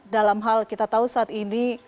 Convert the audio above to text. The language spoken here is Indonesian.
dalam hal kita tahu saat ini